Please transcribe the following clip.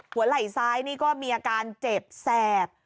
หัวไหลซ้ายเนี่ยก็มีอาการเจ็บแทบ